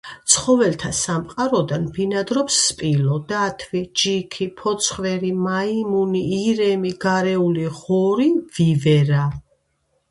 ცხოველთა სამყაროდან ბინადრობს სპილო, დათვი, ჯიქი, ფოცხვერი, მაიმუნი, ირემი, გარეული ღორი, ვივერა.